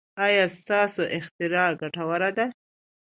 ایا ستاسو اختراع ګټوره ده؟